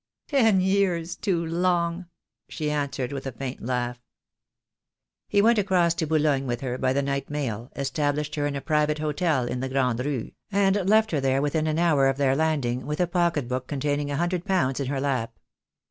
"Ten years too long," she answered, with a faint laugh. He went across to Boulogne with her by the night mail, established her in a private hotel in the Grande Rue, and left her there within an hour of their landing, with a pocket book containing a hundred pounds in her lap.